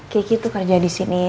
kiki tuh kerja disini